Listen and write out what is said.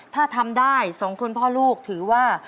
ถ้าทำได้สองคนพ่อลูกถือว่า